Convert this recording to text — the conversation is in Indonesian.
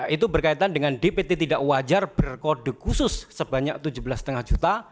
itu berkaitan dengan dpt tidak wajar berkode khusus sebanyak tujuh belas lima juta